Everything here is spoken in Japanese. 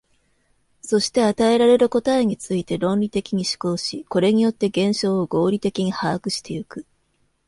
そして与えられる答えについて論理的に思考し、これによって現象を合理的に把握してゆく。